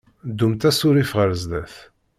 Ddumt asurif ɣer sdat.